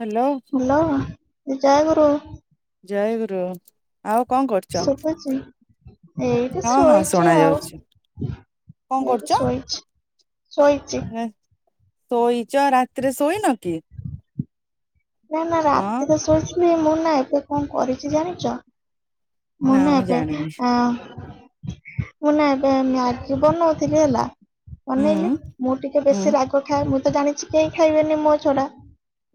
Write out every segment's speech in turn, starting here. Hello hello ଜୟ ଗୁରୁ କ ରରୁ। ଜୟ ଗୁରୁ। ଶୁବୁଛି ଏଇଟି ହଁ ହଁ ଶୁଣା ଶୋଇଛ ଆଉ। ଯାଉଛି କଣ କରୁଛ? ଏଇ ଶୋଇଛି ଶୋଇଛି। ସୋଇଚ ରାତିରେ ସୋଇନକି? ନା ନା ରାତି ତ ଶୋଇଛୁ ମୁଁ ନା ଏ ତ କଣ କରିଛି ଜାଣିଛ? ନା ମୁନେ ମୁଁ ଏବେ ଜାଣିନି ଆ ମୁଁ ନା ଏବେ ମ୍ୟାଗି ବନଉ ଥିଲି ହେଲା। ବନେଇଲି। ହୁଁ ମୁଁ ଟିକେ ହୁଁ ବେଶୀ ରାଗ ଖାଏ। ମୁଁ ତ ଜାଣିଛି କେହି ଖାଇବେନି ମୋ ଛଡା।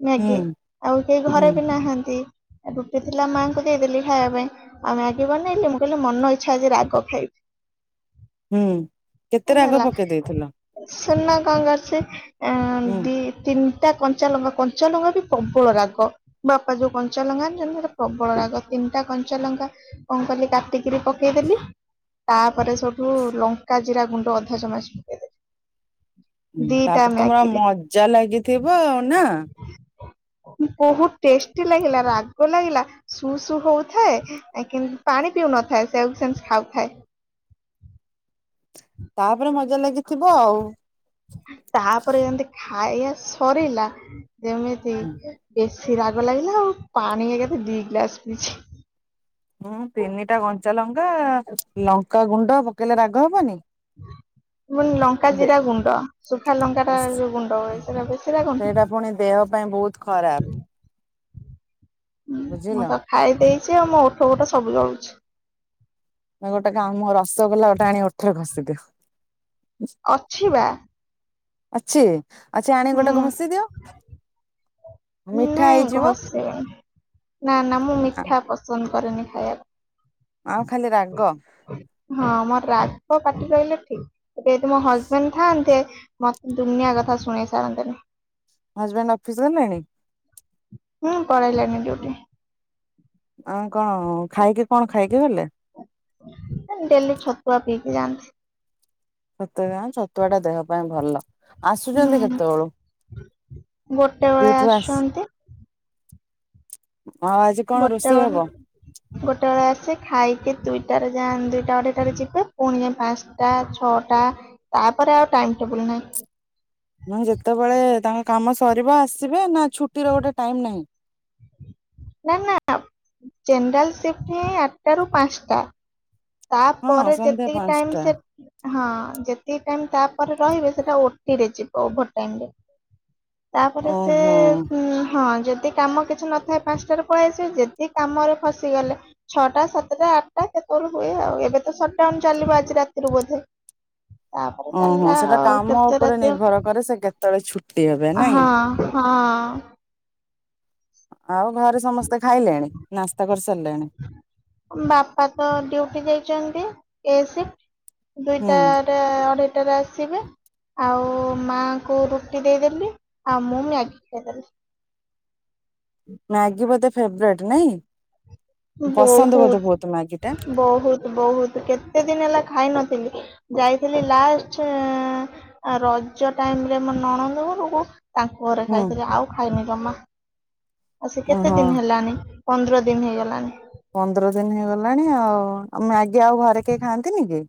ମ୍ୟାଗି ହୁଁ ଆଉ କେହି ଘରେ ହୁଁ ବି ନାହାନ୍ତି। ଏ ରୁଟି ଥିଲା ମାଆଙ୍କୁ ଦେଇଦେଲି ଖାଇବା ପାଇଁ। ଆଉ ମ୍ୟାଗି ବନେଇଲି ମୁଁ କହିଲି ମନ ଇଚ୍ଛା ଆଜି ରାଗ ଖାଇବି। ହୁଁ, କେତେ ରାଗ ପକେଇ ଦେଇଥିଲ? ଶୁନ କଣ କରିଛି? ଏଁ, ହୁଁ ଦି ତିନିଟା କଞ୍ଚା ଲଙ୍କା, କଞ୍ଚା ଲଙ୍କା ବି ପ୍ରବଳ ରାଗ ବାପା ଯୋଉ କଞ୍ଚାଲଙ୍କା ଆଣିଚନ୍ତି ସେଟା ପ୍ରବଳ ରାଗ। ତିନିଟା କଞ୍ଚାଲଙ୍କା କ କଲି କାଟିକିରି ପକେଇଦେଲି। ତାପରେ ସେଉଠୁ ଲଙ୍କା ଜିରା ଗୁଣ୍ଡ ଅଧା ଚାମଚ ପକେଇଦେଲି। ହୁଁ, ଦିଟା ତାପରେ ତୋମର ମ୍ୟାଗିରେ ମଜା ଲାଗିଥିବ ନା? ବହୁତ ଟେଷ୍ଟି ଲାଗିଲା, ରାଗ ଲାଗିଲା, ସୁ ସୁ ହଉଥାଏ। ଏ କି ପାଣି ପିଉ ନ [unintelligible] ସେୟାକୁ ସେମିତି ଖାଉଥାଏ। [unintelligible] ତାପରେ ମଜା ଲାଗିଥିବ ଆଉ। ଖାଇଆ ସରିଲା ଯେମିତି ଇସ ସି ରାଗ ଲାଗିଲା ଆଉ ପାଣି ଏକା ଥରେ ଦି ଗ୍ଲାସ ପିଇଛି। ହଁ ତିନିଟା କଞ୍ଚା ଲଙ୍କା, ଲଙ୍କା ଗୁଣ୍ଡ ପକେଇଲେ ରାଗ ହବନି। ହୁଁ ପୁନ ଲଙ୍କା ଦେ ଜିରା ଗୁଣ୍ଡ ଶୁଖା ଲଙ୍କା ର ଯୋଉ ଗୁଣ୍ଡ ହୁଏ ସେଟା ବେଶି ରାଗ ନୁହଁ। ସେଇଟା ପୁଣି ଦେହ ପାଇଁ ବହୁତ ଖରାପ। ହୁଁ, ବୁଝିଲ। ମୁଁ ତ ଖାଇ ଦେଇଚି ଆଉ ମୋ ଉଠ ଫୁଠ ସବୁ ଜଳୁଛି। ଏ ଗୋଟେ କାମ ରସଗୋଲା ଗୋଟେ ଆଣି ଓଠରେ ଘଷିଦିଅ। ଅଛି ବା। ଅଛି? ଅଛ ଆଣି ହୁଁ ଗୋଟେ ଘଷି ଦିଅ ମିଠା ନାଇଁ ହେଇଯିବ। ଘଷିବନି ନା ନା ମୁଁ ମିଠା ପସନ୍ଦ କରେନି ଖାଇବାକୁ। ଆଉ ଖାଲି ରାଗ ହଁ ମୋର ରା ତ ପାଟିକୁ ଆଇଲେ ଠିକ ସେଇଠି ମୋ ହଜବେଣ୍ଡ ଥାନ୍ତେ ମତ ଦୁନିଆ କଥା ଶୁଣେଇ ସାରନ୍ତିନି। ହଜବେଣ୍ଡ ଅଫିସ୍ ଗଲେଣି? ନା ପଳେଇଲେଣିି ଡିଉଟି। ଆଉ କଣ ଖାଇକି କଣ ଖାଇକି ଗଲେ? ଏ ଡେଲି ଛତୁଆ ପିଇକି ଯାଆନ୍ତି। ଛତୁଆ [unintelligible] ଛତୁଆ ଟା ଦେହ ପାଇଁ ଭଲ। ଆସୁଛନ୍ତି ହୁଁ କେତେବେଳୁ? ଗୋଟେ ବେଳେ ଡିଉଟି ରୁ ଆସ ଆସୁଛନ୍ତି କଣ ଗୋଟେ ରୋଷେଇ ହବ ବେଳେ ଗୋଟେ ବେଳେ ଆସେ ଖାଇ କି ଦୁଇଟାରେ ଯାଆନ୍ ଦୁଇଟା ଅଢେଇ ଟାରେ ଯିବେ। ପୁଣି ଯାଇ ପାନ୍ସଟା ଛଅଟା। ତାପରେ ଆଉ ଟା ଟାଇମ୍ ଟେବୁଲ୍ ନାହିଁ। ନା ଯେତେବେଳେ ତାଙ୍କ କାମ ସରିବ ଆସିବେ ନା ଛୁଟିର ଗୋଟେ ଟାଇମ୍ ନାହିଁ? ନା ନା ଜେନେରାଲ୍ ସିଫ୍ଟ ହିଁ ଆଟା ରୁ ପାନ୍ସ ଟା। ହଁ ତାପରେ ସନ୍ଧ୍ୟା ଯେତିକି ଟାଇମ୍ ପାଞ୍ଚଟା ସେ ହଁ ଯେତିକି ଟାଇମ୍ ତାପରେ ରହିବେ ସେଟା ଓଟିରେ ଯିବ ଓଭର୍ ଟାଇମ୍ ରେ। ତାପରେ ସେ ଓହୋ ହୁଁ, ହଁ ଯଦି କାମ କିଛି ନଥାଏ ପାନ୍ସଟାରେ ପଳେଇଆସିବେ। ଯଦି କାମରେ ଫସିଗଲେ ଛଅଟା ସାତଟା ଆଟା କେତଳୁ ହୁଏ ଆଉ। ଏବେ ତ ସଟଡାଉନ୍ ଚାଲିବ ଆଜି ରାତିରୁ ବୋଧେ। ତାପରେ ଓହୋ ଚାଲିଲା ସେଟା କାମ କେତେ ଉପରେ ରାତିଅ ନିର୍ଭର କରେ ସେ କେତେବେଳେ ଛୁଟି ହେବେ ନାଇଁ ହଁ ହଁ ହଁ। ଆଉ ଘରେ ସମସ୍ ବାପା ତ ଡିଉଟି ଯାଇଚନ୍ତି। ଏ ସିଫ୍ଟ ହୁଁ ଦୁଇଟା ରେ ଅଢେଇ ଟାରେ ଆସିବେ। ଆଉ ମାଆଙ୍କୁ ରୁଟି ଦେଇଦେଲି ଆଉ ମୁଁ ବି ମ୍ୟାଗି ଖାଇଦେଲି। ମ୍ୟାଗି ବୋଧେ ଫେବରଟ ନାଇଁ। ପସନ୍ଦ ବୋଧେ ମ୍ୟାଗି ଟା ବହୁତ ବହୁତ ବହୁତ କେତେ ଦିନ ହେଲା ଖାଇନ। ଯାଇଥିଲି ଲାଷ୍ଟ ରଜ ଟାଇମ ରେ ମୋ ନଣନ୍ଦଗୁରକୁ। ତାଙ୍କ ଘରେ ହୁଁ ଖାଇଥିଲି ଆଉ ଖାଇନି ଜମା ଆଉ ସେ କେତେ ଓହୋ ଦିନ ହେଲଣିି। ପନ୍ଦର ଦିନ ହେଇଗଲାଣି। ପନ୍ଦର ଦିନ ହେଇଗଲାଣି ଆଉଉ ମଗି ଆଉ ଘରେ କେହି ଖାଆନ୍ତିନି କି।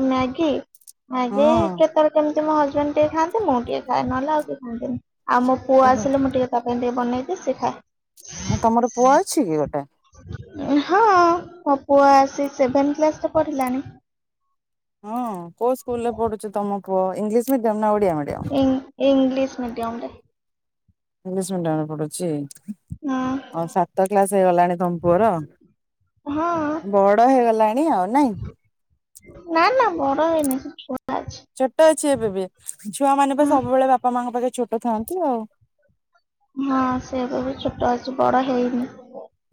ମ୍ୟାଗି ମ୍ୟାଗି ହଁ କେତାର କେ। ମୋ ହଜବେଣ୍ଡ ଟିକେ ଖାନ୍ତି ମୁଁ ଟିକେ ଖଏ ନହେଲେ ଆଉ କି ଖାନ୍ତିନି ଆଉ ମୋ ପୁଅ ଆସିଲ ମୁଁ ଟିକ ତା ପାଇଁ ଟ। ବନେଇକି ତମର ପୁଅ ଅଛି କି ଗୋଟେ ଶିଅଖାଏ। ହଁ ମୋ ପୁଅ। ସେ ସେଭେନ୍ କ୍ଲାସ ପଢିଲା। ହଁ କ ସ୍କୁଲ ପଡିଚ ତମପଅ ଇଲିଶ। ମୁ ତମ ନା ଓଡ଼ିଆ ମଆ। ଇଂ ଇଂଲିଶ ମିଡିୟମ ରେ ଇଂଶ ମିନଟରେ ପଡୁଛି। ହଁ ଆ ସାତ କ୍ଲାସ ହେଇଗଲାଣି ତମ ପୁଅର। ହଁ ବଡ ହେଇଗଲାଣି ଆଉ ନାଇଁ। ହ ନାଇ ଶ। ଛୋଟ ଅଛି ଏବେ ବି ଛୁଆମାନୋନେ ବା ହୁଁ ସବୁବେଳେ ବାପା ମାଆଙ୍କ ପାଖେ ଛୋଟ ଥାଆନ୍ତି ଆଉ। ହଁ ସେବେ ବି ଛୋଟ ଅଛି ବଡ ହେଇନି।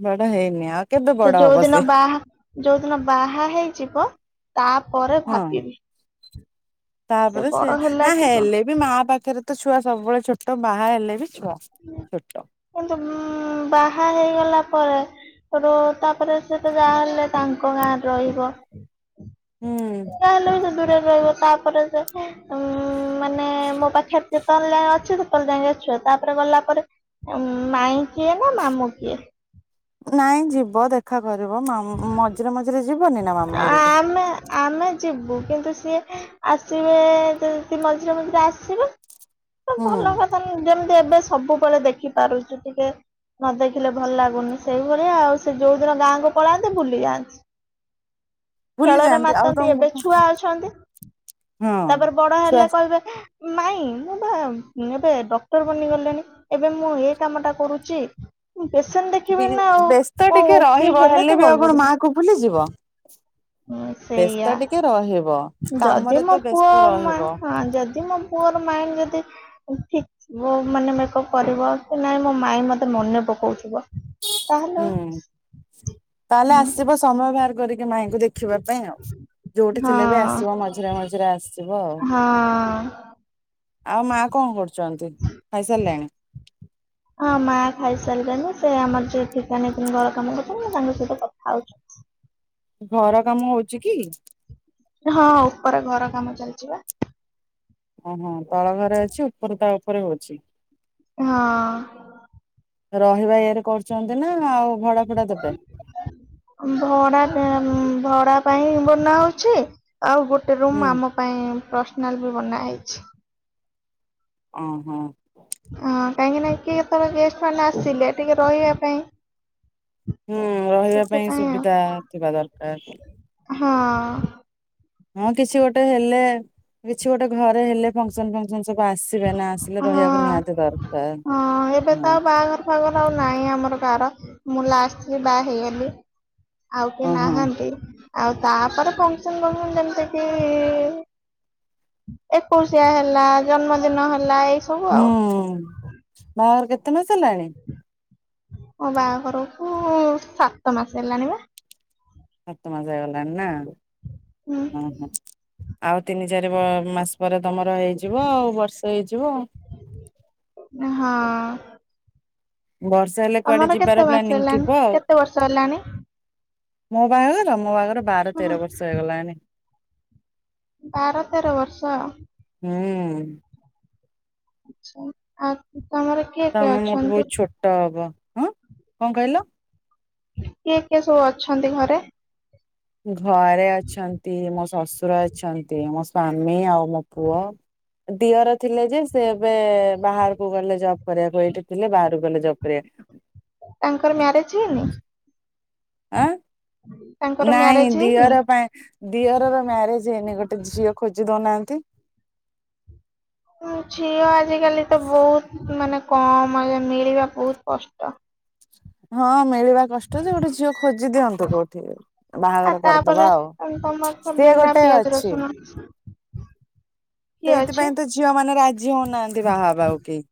ବଡ଼ ହେଇନି ଆ। ସେ ଯୋଉ ଦିନ ବାହା ଯୋଉ ଦିନ ବାହା ହେଇଯିବ। ତାପରେ ହଁ ଭାବିବି। ତାପରେ ବଡ ସେ ହେଲା ନା କି କଣ ହେଲେ ବି ମା ପାଖରେ। ତ ଛୁଆ ସବୁବେଳେ ଛୋଟ ବାହା ହେଲେ। ବି ଛୁଆ ଛୋଟ କିନ୍ତୁ ଉ ବାହା ହେଇଗଲା। ପରେ ତାପରେ ସେ ତ ଯାହାହଲେ ତାଙ୍କ ଗାଁରେ ରହିବ। ହୁଁ ହେଲେ ଦୂର ରହିବ ତାପରେ ଯେ ଉଁ ମାନେ ମୋ ପାଖରେ। ଯେ ତ ଯା ଅଛ ତନ ଯାଇକ ଅଛୁ ତାପରେ ଗଲା ପରେ। ଉ ମାଇ କିଏ ନା ମାମୁ କିଏ। ନାଇଁ ଯିବ ଦେଖା। ଘରିବ ମ ମଝିରେ ମଝିରେ ଯିବନି ନା ମାମୁ ଘରକୁ। ଆସିବେ ଆସିବେ ମଝିରେ ମଝିରେ ଆସିବ। ହୁଁ ଭଲ କଥା ନ ଯେମିତି ଏବେ ସବୁବେଳେ ଦେଖି ପାରୁଛିୁ ଟିକେ। ନ ଦେଖିଲେ ଭଲ ଲାଗୁନି ସେଇଭଳିଆ ଆଉ ସେ ଯୋଉ ଦିନ ଗାଁ। ପଳାନ୍ତେ ବୁଲି ଯାଆନ୍ତି ଭୁଲି ଖେଳରେ ଯାଆନ୍ତି ଆଉ ମାତନ୍ତି ଏବେ ତମକୁ ଛୁଆ ଅଛନ୍ତି। ହଁ ତାପରେ ବଡ ଛୁଆ ହେଲେ କହିବେ ମାଇଁ ମୁଁ ବା ଏବେ ଡକ୍ଟର ବନି ଗଲେଣି ଏବେ ମୁଁ ଏ କାମଟା କରୁଛି ପେସେଣ୍ଟ ଦେଖିବି ବି ନା ଆଉ ବ୍ୟସ୍ତ ଟିକେ କଣ ଫ୍ରି ରହିବ ହେଲେ ତ ଆଉ କଲ୍ କଣ ମା କରିବି କୁ ଭୁଲିଯିବ। ସେଇଆ ବ୍ୟସ୍ତ ଟିକେ ରହିବ ଯଦି କାମରେ ମୋ ତ ପୁଅ ବ୍ୟସ୍ତ ରହିବ। ହଁ ଯଦି ମୋ ପୁଅର ମାଇଣ୍ଡ ଯଦି ଠିକ୍ ଥିବ ମାନେ ମେକଅପ୍ କରିବ କି ନହିଁ ମୋ ମାଇ ମ ମନେ ପକଉଥିବ। ତାହେଲେ ହୁଁ ତାହେଲେ ଆସିବ ସମୟ ବାହାର ମାଇଙ୍କୁ ଦେଖିବା ପାଇଁ ଆଉ ଯୋଉଠି ହଁ ଥିଲେ ବି ଆସିବ ମଝିରେ ମଝିରେ ଆସ ହଁ। ଆଉ ମା କଣ କରୁଛ ହଁ ମାଖାଇ ସାରିଲେଣି। ସେ ଆମର ଯୋ ଠିକାନେଇଛନ୍ତି ଘର କାମ କରୁଛନ୍ତି ତାଙ୍କ ସହିତ କଥା ହଉଛନ୍ତି। ଘର କାମ ହଉଛି କି। ହଁ ଉପର ଘର କାମ ଚାଲିଛି ବା ଓହୋଃ ତଳ ଘରେ ଅଛି ଉପରେ ତା ଉପରେ ହେଉଛି ହଁଅଁ-ଅଁ। ରହିବା ଇଏରେ କରୁଛନ୍ତି ନା ଆଉ ଭଡା ଫଡା ଦେବେ? ଭଡ଼ା [inaudible] ଭଡା ପାଇଁ ବନା ହଉଛି ଆଉ ଗୋଟେ ରୁମ୍ ହୁଁ ଆମ ପାଇଁ ପର୍ସନାଲ୍ [inaudible] ବନାହେଇଛି। ଓହୋଃ। ହଁ କାହିଁକି ନା କିଏ କେତେବେଳେ ଗେଷ୍ଟମାନେ ଆସିଲେ ଟିକେ ରହିବା ପାଇଁ ହୁଁ ରହିବା ପାଇଁ ସେଥିପାଇଁ ସୁବିଧା ଥିବା ଦରକାର। ହଁଅ-ଅ। ହଁ କିଛି ଗୋଟେ ହେଲେ କିଛି ଗୋଟେ ଘରେ ହେଲେ ଫଙ୍କସନ୍ ଫଙ୍କସନ୍ ହଁ ଦରକାର। ହଁ ଏବେ ତ ଆଉ ବାହାଘର ଫାହାଘର ନାଇଁ ଆମର [inaudible] କାର ମୁଁ ଲାଷ୍ଟରେ ବାହା ହେଇଗଲି ଆଉ କେ ହଁ ହଁ ନାହାନ୍ତି। ଆଉ ତାପରେ ଫଙ୍କସନ୍ ଫଙ୍କସନ୍ ଯେମିତିକି ଏକୋଇଶିଆ ହେଲା ଜନ୍ମଦିନ ହେଲା ଏଇ ସବୁ ଆଉ। ହୁଁଉଁ-ଉଁ ବାହାଘର କେତେ ମାସ ହେଲାଣି? ମୋ ବାହାଘରକୁ ସାତ ମାସ ହେଲାଣି ବା ସାତମାସ ହେଇ ଗଲାଣି ନା ହୁଁ ହୁଁ-ହୁଁ ଆଉ ତିନି ଚାରି ମା ମାସ ପରେ ତମର ହେଇଯିବ ଆଉ ବର୍ଷେ ହେଇଯିବ ଆଉ ହଁ। ବର୍ଷେ ହେଲେ କୁଆଡେ ତମର କେତେ ଯିବାର ମାସ ପ୍ଲାନିଂ ହେଲାଣି ଥିବ ଆଉ କେତେ ବର୍ଷ ହେଲାଣି? ମୋ ବାହାଘର ମୋ ବାହାଘର ବାର ଓହୋ ତେର ବର୍ଷ ହେଇଗଲାଣି। ବାର ତେର ବର୍ଷ? ହୁଁ। ଆଛା ଆ ତମେ ମୋଠୁ ବହୁତ ଛୋଟ ହବ, ହଁ କଣ କହିଲ? କିଏ କିଏ ସବୁ ଅଛନ୍ତି ଘରେ? ଘରେ ଅଛନ୍ତି ମୋ ଶଶ୍ ଶଶୁର ଅଛନ୍ତି ମୋ ସ୍ଵାମୀ ଆଉ ମୋ ପୁଅ ଦିଅର ଥିଲେ ଯେ ସେ ଏବେ ବାହାରକୁ ଗଲେ ଜବ୍ କରିବାକୁ ଏଇଠି ଥିଲେ ବାହାରକୁ ଗଲେ ଜବ୍ କରିବାକୁ ତାଙ୍କର ମ୍ୟାରେଜ ହେଇନି? ଆଁ? ତାଙ୍କର ନାଇଁ ମ୍ୟାରେଜ ହେଇନି? ଦିଅର ପାଇଁ ଦିଅରର ମ୍ୟାରେଜ ହେଇନି ଗୋଟେ ଝିଅ ଖୋଜି ଦଉନା ନ୍ତି ଝିଅ ଆଜିକାଲି ତ ବହୁତ ମାନେ କମ୍, ମିଳିବା ବହୁତ କଷ୍ଟ। ହଁ ମିଳିବା କଷ୍ଟ ଯେ ଗୋଟେ ଝିଅ ଖୋଜି ଦିଅନ୍ତୁ କୋଉଠି, ଆଉ ବାହାଘର ତାପରେ କରିଦବା ଆଉ ତମର [inaudible] ବିନା ଗୋଟେ ପିଆଜ ଅଛି। ରସୁଣ କିଏ ଅଛି? ସେଇଥିପାଇଁ ତ ଝିଅ ମାନେ ରାଜି ହଉନାହାନ୍ତି ବାହାହେବାକୁ କେହି।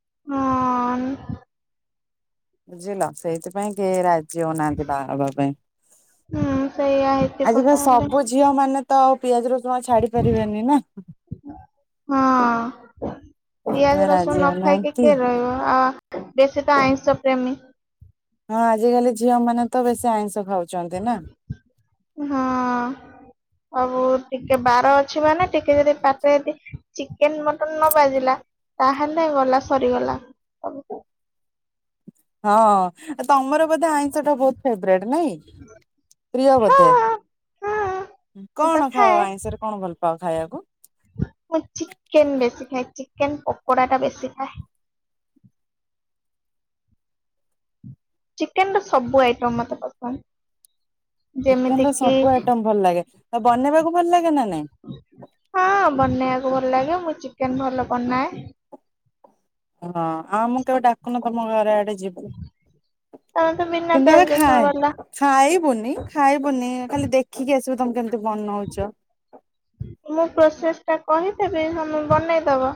ହଁ ଅଁ-ଅଁ-ଅଁ-ଅଁ ନ୍ ବୁଝିଲ ସେଇଥିପାଇଁ କେ ରା ରାଜି ହେଉନାହାନ୍ତି ବାହାହେବା ପାଇଁ ହୁଁ ସେଇଆ ହେଇଥିବ ଆଜିକାଲି ତାହେଲେ ସବୁ ଝିଅ ମାନେ ତ ପିଆଜ ରସୁଣ ଛାଡି ପାରିବେନି ନା। ହଁଅ। ସେଇଥିପାଇଁ ପିଆଜ ରସୁଣ ରାଜି ନ ଖାଇକି ହଉନାହାନ୍ତି। କିଏ ରହିବ ଆ ବେଶୀ ତ ଆଇଁଷ ପ୍ରେମୀ। ହଁ ଆଜିକାଲି ଝିଅମାନେ ତ ବେଶୀ ଆଇଁଷ ଖାଉ ହଁଅ-ଅ-ଅ ଅବୁତ୍ ଟିକେ ବାର ଅଛି ମାନେ ଟିକେ ଯଦି ପାଟିରେ ଯଦି ଚିକେନ୍ ମଟନ ନ ବାଜିଲା ତାହେଲେ ଗଲା ସରିଗଲା। ହଁ ତମର ବୋଧେ ଆଇଁଷ ଟା ବହୁତ ଫେବରାଇଟ ନାଇଁ ପ୍ରିୟ ବୋଧେ? ହଁ ମୁଁ ତ କଣ ଖାଅ ଖାଏ ଆଇଁଷରେ କଣ ଭଲ ପାଅ ଖାଇବାକୁ? ମୁଁ ଚିକେନ ବେଶି ଖାଇ ଚିକେନ ପକୋଡ଼ା ଟା ବେଶି ଖାଏ। ଚିକେନର ସବୁ ଆଇଟମ୍ ମତେ ପସନ୍ଦ। ଯେମିତି ଚିକେନର କିି ସବୁ ଆଇଟମ ଭଲ ଲାଗେ ତ ବନେଇବାକୁ ଭଲ ଲାଗେ ନା ନାଇଁ? ହଁ ବନେଇବାକୁ ଭଲ ଲାଗେ ମୁଁ ଚିକେନ ଭଲ ବନାଏ। ହଁ ଆଉ ମୁଁ କେବେ ଡାକୁନ ତମ ଘରେ ଆଡେ ଯିବୁ। ତମେ ତ ବିନା କିନ୍ତୁ ପିଆଜ ଆମେ ରସୁଣ ଖାଏ ବାଲା ଖାଇବୁନି ଖାଇବୁନି ଖାଲି ଦେଖିକି ଆସି ମୁଁ ପ୍ରୋସେସ ଟା କହିଦେବି ତମେ ବନେଇଦବ।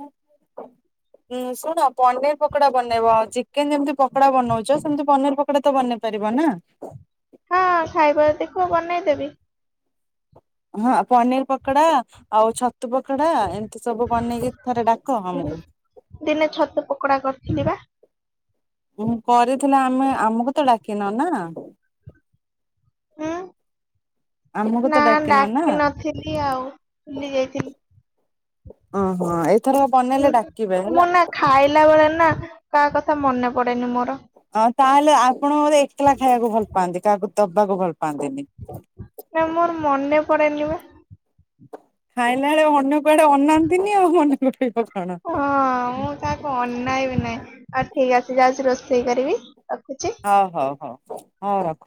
ହୁଁ ଶୁଣ ପନିର ପକୋଡା ବନେଇବା ଆଜି କେନ୍ ଯେମିତି ପକୋଡା ବନଉଛ ସେମତି ପନିର ପକଡା ତ ବନେଇ ପାରିବନା? ହଁ ଖାଇବା ଦେଖୁ ବନେଇ ଦେବି। ହଁ ପନିର ପକୋଡା ଆଉ ଛତୁ ପକୋଡା ଏମ୍ ସବୁ ବନେଇକି ଥରେ ଡାକ ଆମକୁ। ଦିନେ ଛତୁ ପକୋଡା କରିଥିଲି ବା। ଉ କରିଥିଲେ ଆମେ ଆମକୁ ତ ଡାକିନ ନା। ହୁଁ ଆମକୁ ତ ନା ଡାକିନ ନା ଡାକି ନଥିଲି ଆଉ ଉଲି ଯାଇଥିଲି। ଓହୋ ଏଇଥର ବନେଇଲେ ଉ ଡାକିବେ ମୁଁ ହେଲା। ନା ଖାଇଲା ବେଳେ ନା କାହା କଥା ମନେ ପଡେନି ମୋ ହ ତାହେଲେ ଆପଣଙ୍କର ଏକଲା ଖାଇବାକୁ ଭଲ ପାଆନ୍ତି କାହାକୁ ଦବାକୁ ଭଲ ପାଆନ୍ତିନି। ନା ମୋର ମନେ ପଡେନି ବା। ଖାଇଲା ବେଳେ ଅନ୍ୟ କୁଆଡେ ଅନାନ୍ତିନି ଆଉ ମନେ। [unintelligible] ହଁ ମୁଁ ତାକୁ ଅନାଇବି ନାହିଁ ଆଉ ଠିକ ଅଛି ଯାଉଛି ରୋଷେଇ କରିବି। ରଖୁଛି। ହଉ ହଉ ହଉ ହଁ